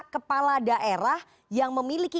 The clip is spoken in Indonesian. kepala daerah yang memiliki